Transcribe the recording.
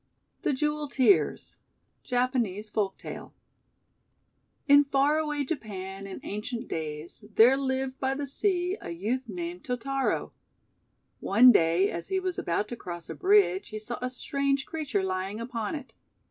THE JEWEL TEARS Japanese Folktale IN far away Japan, in ancient days, there lived by the sea a youth named Totaro. One day, as he was about to cross a bridge, he saw a strange creature lying upon it.